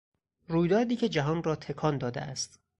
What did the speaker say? رویدادی که جهان را تکان داده است